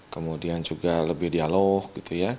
kemudian juga lebih dialog